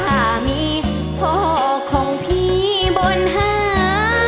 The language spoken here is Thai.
ถ้ามีพ่อของพี่บนหา